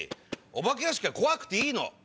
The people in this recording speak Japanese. お化け屋敷は怖くていいの。